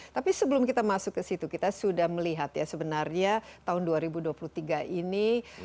tapi sebelum kita masuk ke situ kita sudah melihat ya sebenarnya tahun dua ribu dua puluh tiga ini